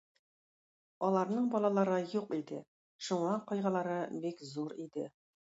Аларның балалары юк иде, шуңа кайгылары бик зур иде.